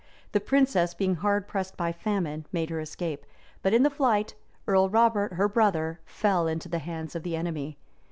The princess, being hard pressed by famine, made her escape; but in the flight, Earl Robert, her brother, fell into the hands of the enemy.